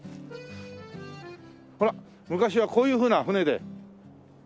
ほら昔はこういうふうな船で。